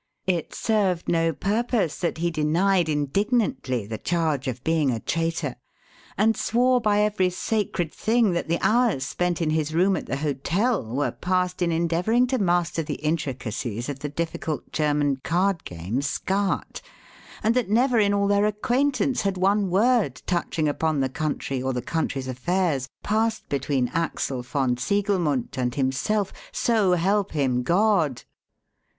It served no purpose that he denied indignantly the charge of being a traitor, and swore by every sacred thing that the hours spent in his room at the hotel were passed in endeavouring to master the intricacies of the difficult German card game, Skaat, and that never in all their acquaintance had one word touching upon the country or the country's affairs passed between Axel von Ziegelmundt and himself, so help him God!